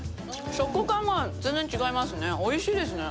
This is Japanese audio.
食感は全然違いますね。